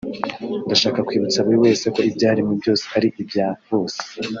ndashaka kwibutsa buri wese ko ibyaremwe byose ari ibya bose